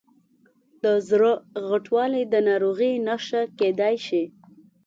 د زړه غټوالی د ناروغۍ نښه کېدای شي.